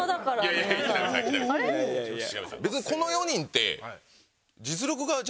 別にこの４人って。